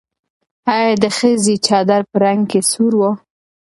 ایا د ښځې چادر په رنګ کې سور و؟